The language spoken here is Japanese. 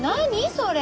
それ。